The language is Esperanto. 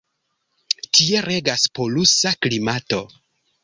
Tie regas polusa klimato.